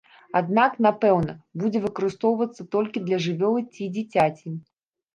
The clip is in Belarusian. Аднак, напэўна, будзе выкарыстоўвацца толькі для жывёлы ці дзіцяці.